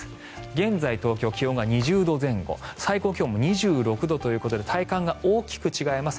現在、東京、気温が２０度前後最高気温も２６度ということで体感が大きく違います。